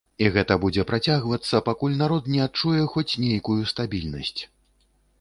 І гэта будзе працягвацца, пакуль народ не адчуе хоць нейкую стабільнасць.